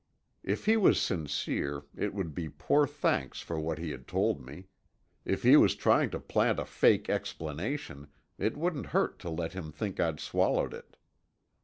If he was sincere, it would be poor thanks for what he had told me. If he was trying to plant a fake explanation, it wouldn't hurt to let him think I'd swallowed it.